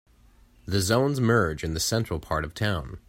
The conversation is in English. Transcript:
The zones merge in the central part of town.